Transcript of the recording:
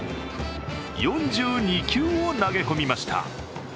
４２球を投げ込みました。